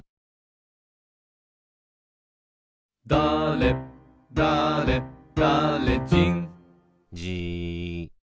「だれだれだれじん」じーっ。